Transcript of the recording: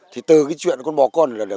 thì từ cái chuyện con bò con